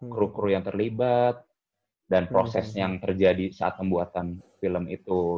kru kru yang terlibat dan proses yang terjadi saat pembuatan film itu